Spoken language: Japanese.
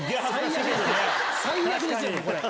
最悪ですよねこれ。